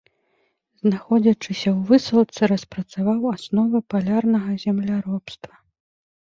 Знаходзячыся ў высылцы, распрацаваў асновы палярнага земляробства.